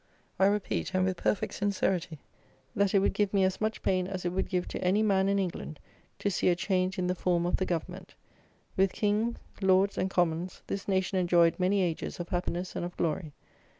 I repeat, and with perfect sincerity, that it would give me as much pain as it would give to any man in England, to see a change in the form of the Government. With King, Lords, and Commons, this nation enjoyed many ages of happiness and of glory.